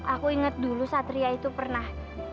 aku inget dulu satria itu pernah